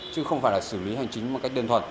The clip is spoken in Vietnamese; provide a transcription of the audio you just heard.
chứ không phải là xử lý hành chính một cách đơn thuần